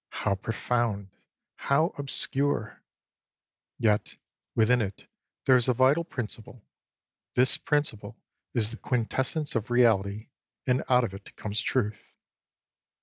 How profound, how obscure ! Yet within it there is a Vital Principle. This principle is the Quintessence of Reality, and out of it comes Truth.